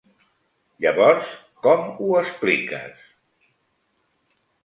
Llavors, com ho expliques?